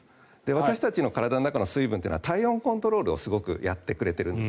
私たちの体の中の水分は体温コントロールをすごくやってくれているんです。